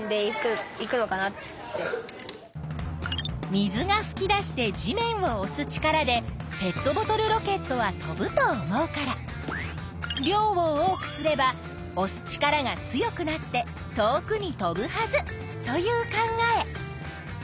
「水がふき出して地面をおす力でペットボトルロケットは飛ぶと思うから量を多くすればおす力が強くなって遠くに飛ぶはず」という考え。